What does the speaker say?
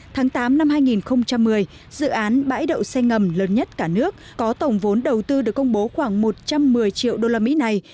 tháng tám năm hai nghìn một mươi dự án bãi đậu xe ngầm lớn nhất cả nước có tổng vốn đầu tư được công bố khoảng một trăm một mươi triệu usd này